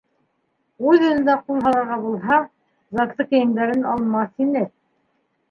Үҙ-үҙенә ҡул һалырға булһа, затлы кейемдәрен алмаҫ ине.